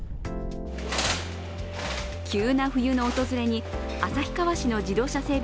急な冬の訪れに旭川市の自動車整備